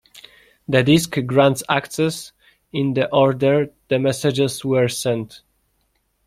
The disk grants access in the order the messages were sent.